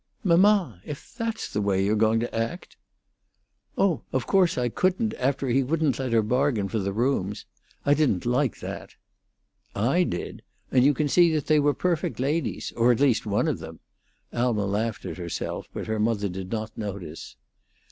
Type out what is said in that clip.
"Mamma! If that's the way you're going to act!" "Oh, of course, I couldn't, after he wouldn't let her bargain for the rooms. I didn't like that." "I did. And you can see that they were perfect ladies; or at least one of them." Alma laughed at herself, but her mother did not notice.